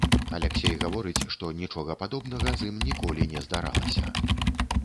Аляксей гаворыць, што нічога падобнага з ім ніколі не здаралася.